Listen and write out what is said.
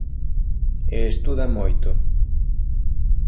e estuda moito.